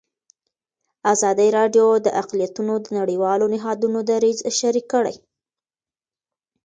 ازادي راډیو د اقلیتونه د نړیوالو نهادونو دریځ شریک کړی.